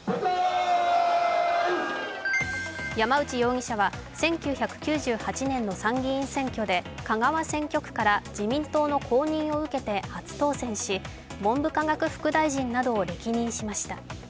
山内容疑者は１９９８年の参議院選挙で香川選挙区から自民党の公認を受けて初当選し、文部科学副大臣などを歴任しました。